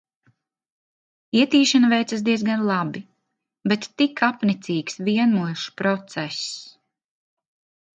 Ietīšana veicas diezgan labi, bet tik apnicīgs, vienmuļš process.